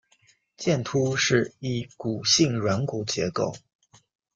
剑突是一骨性软骨结构。